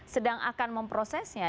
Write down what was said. sedang akan memprosesnya